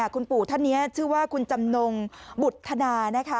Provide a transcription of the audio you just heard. คุณปู่ท่านเนี่ยชื่อว่าคุณจำนงบุธนา